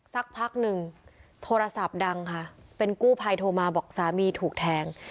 สักพักหนึ่งโทรศัพท์ดังค่ะเป็นกู้ภัยโทรมาบอกสามีถูกแทง